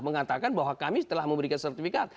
mengatakan bahwa kami telah memberikan sertifikat